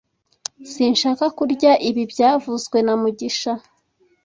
Sinshaka kurya ibi byavuzwe na mugisha